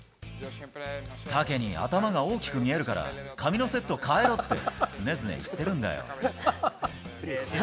タケに頭が大きく見えるから、髪のセット変えろって、常々言ってるんだよ。